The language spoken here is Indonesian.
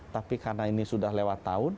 tapi karena ini sudah lewat tahun